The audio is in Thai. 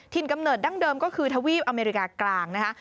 กำเนิดดั้งเดิมก็คือทวีปอเมริกากลางนะคะ